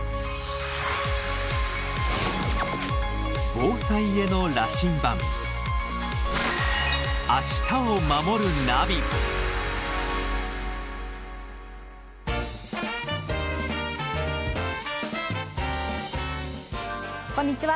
防災への羅針盤こんにちは。